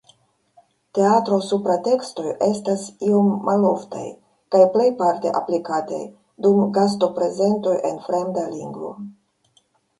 Teatro-supratekstoj estas iom maloftaj kaj plejparte aplikataj dum gasto-prezentoj en fremda lingvo.